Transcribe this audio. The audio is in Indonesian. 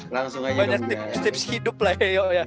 banyak tips hidup lah